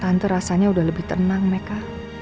tante rasanya udah lebih tenang mereka